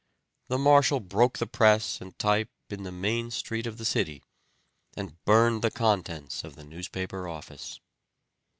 The marshal broke the press and type in the main street of the city, and burned the contents of the newspaper office.